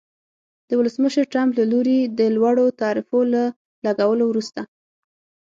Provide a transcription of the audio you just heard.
د ولسمشر ټرمپ له لوري د لوړو تعرفو له لګولو وروسته